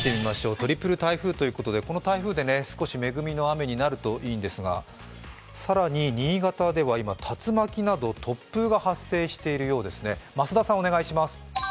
トリプル台風ということで、この台風で少し恵みの雨になるといいんですが、更に新潟では今、竜巻など突風が発生しているようですね。